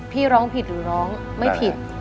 พี่ร้องผิดหรือร้องไม่ผิด